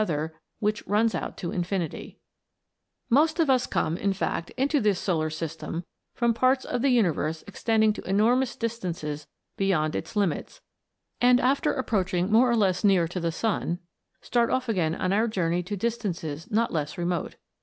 * Most of us come, in fact, into this solar system from parts of the universe extending to enormous dis tances beyond its limits, and after approaching more or less near to the sun, start off again on our journey to distances not less remote.